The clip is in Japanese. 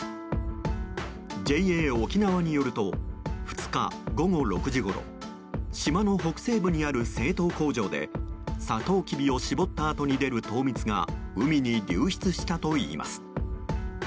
ＪＡおきなわによると２日午後６時ごろ島の北西部にある製糖工場でサトウキビを搾ったあとに出る糖蜜が海に流出したといいます。